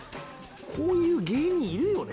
こういう芸人いるよね